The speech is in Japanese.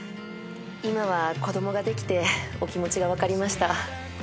今は子供ができてお気持ちが分かりました。